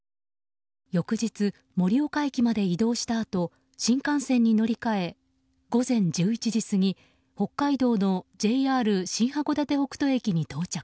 翌日、盛岡駅まで移動したあと新幹線に乗り換え午前１１時過ぎ北海道のＪＲ新函館北斗駅に到着。